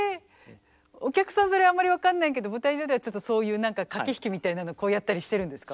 お客さんそれあんまり分かんないけど舞台上ではちょっとそういう何か駆け引きみたいなのやったりしてるんですか？